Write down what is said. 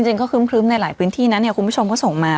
จริงก็ครึ้มในหลายพื้นที่นะเนี่ยคุณผู้ชมก็ส่งมา